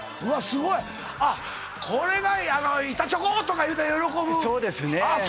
すごいあっこれが板チョコ！とか言ったら喜ぶそうですねああ